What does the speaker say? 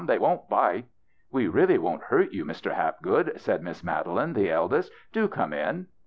" They won't bite." " We really won't hurt you, Mr. Hapgood," said Miss Madeline, the eldest ;" do come in."